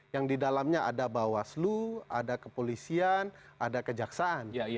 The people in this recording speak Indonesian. yang di dalamnya ada bawaslu ada kepolisian ada kejaksaan